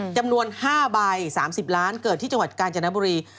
จำนวน๕ใบ๓๐ล้านเกิดที่จังหวัดกาญจนบุรี